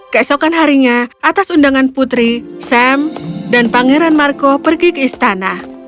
keesokan harinya atas undangan putri sam dan pangeran marco pergi ke istana